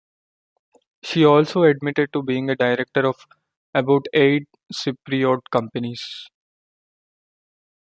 She also admitted to being a director of "about eight Cypriot companies".